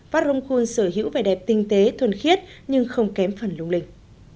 vát rồng khôn sở hữu vẻ đẹp tinh tế thuần khiết nhưng không kém phần lung linh